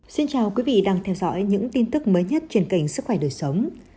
xin chào quý vị đang theo dõi những tin tức mới nhất trên kênh sức khỏe đời sống